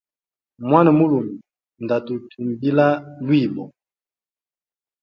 Mwana mulume nda tutumbila lwibo.